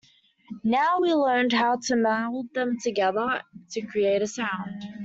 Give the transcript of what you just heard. Now we learned how to meld them together to create a sound.